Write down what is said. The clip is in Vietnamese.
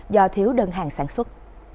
do thiếu đơn hàng sản xuất